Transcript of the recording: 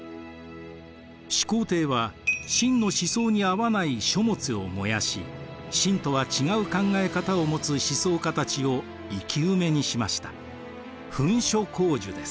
始皇帝は秦の思想に合わない書物を燃やし秦とは違う考え方を持つ思想家たちを生き埋めにしました。